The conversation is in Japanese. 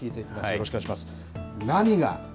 よろしくお願いします。